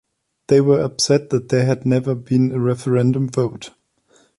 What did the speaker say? They were upset that there had never been a referendum vote.